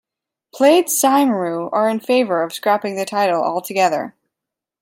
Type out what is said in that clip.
Plaid Cymru are in favour of scrapping the title altogether.